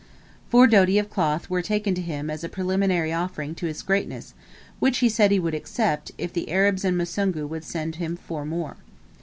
Four doti of cloth were taken to him as a preliminary offering to his greatness, which he said he would accept, if the Arabs and Musungu would send him four more.